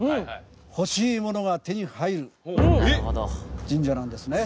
「ほしいもの」が手に入る神社なんですね。